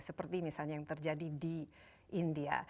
seperti misalnya yang terjadi di india